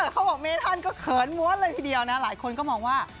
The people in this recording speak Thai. เขาบอกเมธันก็เขินม้วนเลยทีเดียวนะหลายคนก็มองว่า